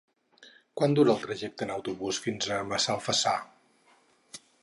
Quant dura el trajecte en autobús fins a Massalfassar?